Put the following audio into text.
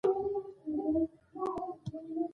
لمسی د ژوند امید دی.